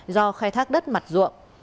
do khai thác đất mặt ruộng